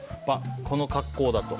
この格好だと。